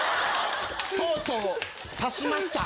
とうとう刺しました。